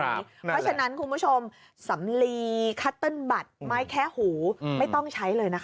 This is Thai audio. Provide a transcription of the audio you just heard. เพราะฉะนั้นคุณผู้ชมสำลีคัตเติ้ลบัตรไม้แคะหูไม่ต้องใช้เลยนะคะ